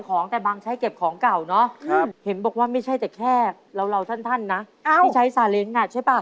ขอมอย่างนี้ไม่ได้เอากลับ